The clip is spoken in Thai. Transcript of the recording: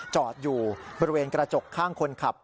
จอดอยู่บริเวณกระจกข้างคนขับ